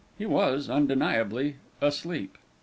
He was, undeniably, asleep.